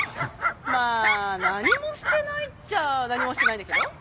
まあ何もしてないっちゃあ何もしてないんだけど。